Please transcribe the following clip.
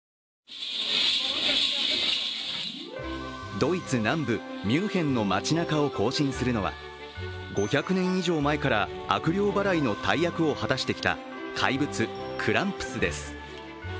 ドイツ南部ミュンヘンの街なかを行進するのは５００年以上前から悪霊払いの大役を果たしてきた怪物、クランプスです。